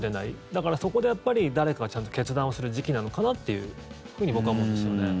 だから、そこでやっぱり誰かがちゃんと決断をする時期なのかなっていうふうに僕は思うんですよね。